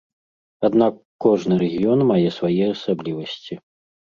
Аднак кожны рэгіён мае свае асаблівасці.